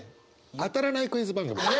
当たらないクイズ番組なの。